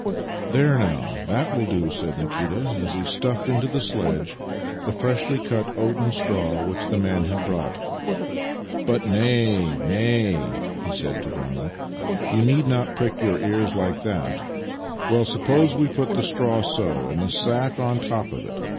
" There now, that will do," said Nikita as he stuffed into the sledge the freshly cut oaten straw which the man had brought. " But nay, nay " (to Brownie). " You need not prick j^our ears like that! — Well, suppose we put the straw so, and the sack on the top of it.